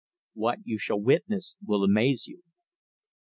What you shall witness will amaze you."